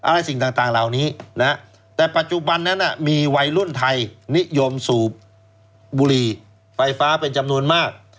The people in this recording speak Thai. สิ่งต่างเหล่านี้นะแต่ปัจจุบันนั้นมีวัยรุ่นไทยนิยมสูบบุหรี่ไฟฟ้าเป็นจำนวนมาก